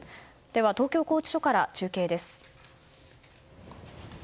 東京拘置所から中継です。